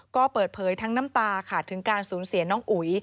ก็เปิดเผยทั้งน้ำตาค่ะถึงการสูญเสียน้องอุ๋ย